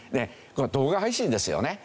動画配信ですよね。